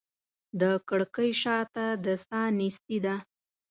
د کړکۍ شاته د ساه نیستي ده